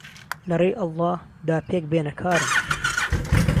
لهڕێی ئهڵڵا دا پێکبێنه کارم